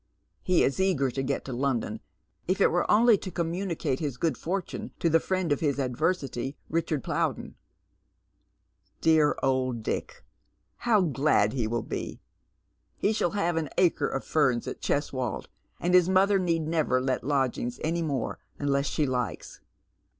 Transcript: He is eager to get to London, if it were only to comvnunicate his good fortune to the friend of his adversity, Richard Plowden. " Dear old Dick ! how glad he will be ! He shall have an Bcre of ferns at Cheswold, and his mother need never let lodgings Any more unless she likes."